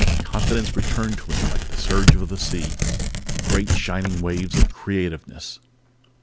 Confidence returned to him like the surge of the sea in great shining waves of creativeness.